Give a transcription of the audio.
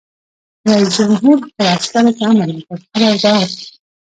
رئیس جمهور خپلو عسکرو ته امر وکړ؛ خبردار!